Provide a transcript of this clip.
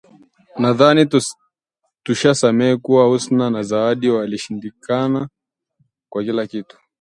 Nadhani tushasema kuwa Husna na Zawadi walishindana kwa kila kitu